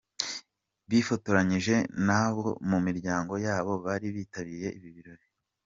Bifotoranyije n'abo mu miryango yabo bari bitabiriye ibi birori.